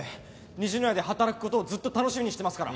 虹の屋で働く事をずっと楽しみにしてますから。